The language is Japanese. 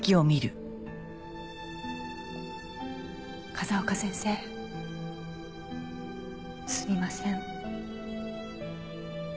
風丘先生すみません。